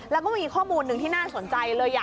แล้วก็มีข้อมูลหนึ่งที่น่าสนใจเลย